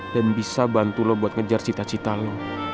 dan bisa bantu lo buat ngejar cita cita lo